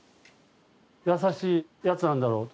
優しいやつなんだろう。